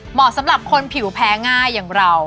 เหมาะสำหรับคนผิวแพ้ง่ายอย่างเรา